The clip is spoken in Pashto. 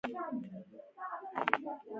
ارمان پيژو شخصي مسوولیت نهلري.